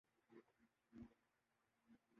یہ دکھوں کو اپنے راستے کی رکاوٹ نہیں بننے دے گی۔